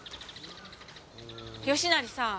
吉成さん